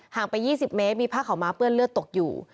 งไป๒๐เมตรมีผ้าขาวม้าเปื้อนเลือดตกอยู่